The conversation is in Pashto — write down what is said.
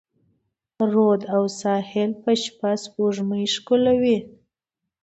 رود او ساحل به شپه، سپوږمۍ ښکلوي